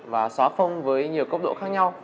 và xóa phông với nhiều cốc độ khác nhau